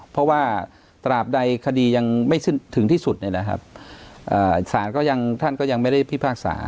เพราะว่าตราบใดคดียังไม่ถึงที่สุดเนี่ยนะครับศาลก็ยังท่านก็ยังไม่ได้พิพากษา